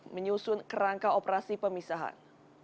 menyusun kerangka operasi pemisahan